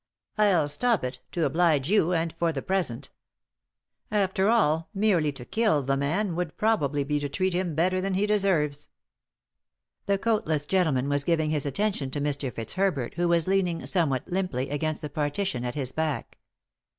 " I'll stop it ; to oblige you — and for the present After all, merely to kill the man.would probably be to treat him better than he deserves," 272 3i 9 iii^d by Google THE INTERRUPTED KISS The coatless gentleman was giving his attention to Mr. Fitzherbert, who was leaning, somewhat limply, against the partition at his back.